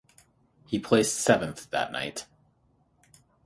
He placed seventh that night.